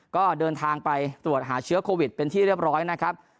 ก็เดินทางไปตรวจหาเชื้อโควิดเป็นที่เรียบร้อยนะครับ